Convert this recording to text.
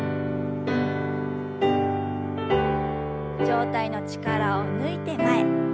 上体の力を抜いて前。